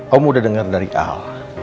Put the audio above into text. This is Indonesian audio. om udah denger dari al